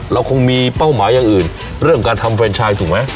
เราคงมีเป้าหมายอย่างอื่นเรื่องการทำเรนชายถูกไหม